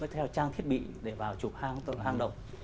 trang thiết bị để vào chụp hang động